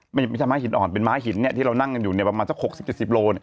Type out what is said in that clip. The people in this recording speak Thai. ไม่ใช่ม้าหินอ่อนเป็นม้าหินที่เรานั่งอยู่ประมาณสัก๖๐๗๐โล